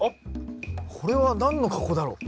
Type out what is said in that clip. これは何の格好だろう？